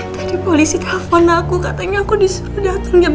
tadi polisi telfon aku katanya aku disuruh dateng jam sepuluh